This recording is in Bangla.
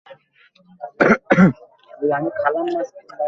বই পড়ার ধৈর্য আমার নেই।